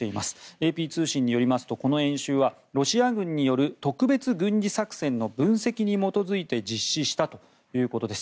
ＡＰ通信によりますとこの演習はロシア軍による特別軍事作戦の分析に基づいて実施したということです。